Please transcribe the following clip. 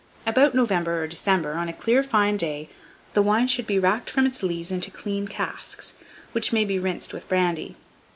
About November or December, on a clear fine day, the wine should he racked from its lees into clean casks, which may be rinsed with brandy.